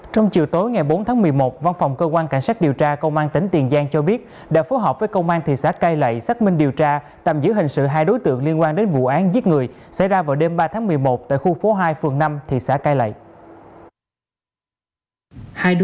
trong chiều tối ngày bốn tháng một mươi một văn phòng cơ quan cảnh sát điều tra công an tỉnh tiền giang cho biết đã phối hợp với công an thị xã cai lậy xác minh điều tra tạm giữ hình sự hai đối tượng liên quan đến vụ án giết người xảy ra vào đêm ba tháng một mươi một tại khu phố hai phường năm thị xã cai lậy